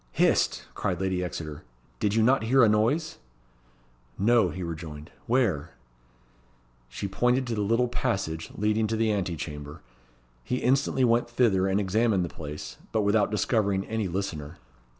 "Hist!" cried Lady Exeter. "Did you not hear a noise?" "No," he rejoined. "Where?" She pointed to the little passage leading to the ante chamber. He instantly went thither, and examined the place, but without discovering any listener.